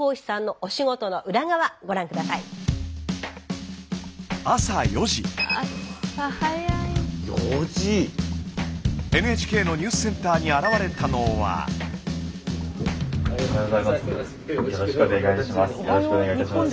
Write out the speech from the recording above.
おはようございます。